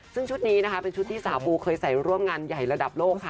ซึ่งชุดนี้นะคะเป็นชุดที่สาวปูเคยใส่ร่วมงานใหญ่ระดับโลกค่ะ